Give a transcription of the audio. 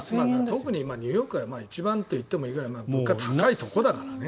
特にニューヨークは一番といってもいいぐらい物価が高いところだからね。